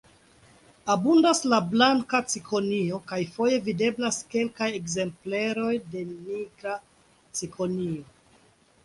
Abundas la blanka cikonio kaj foje videblas kelkaj ekzempleroj de nigra cikonio.